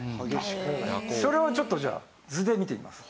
それをちょっとじゃあ図で見ていきます。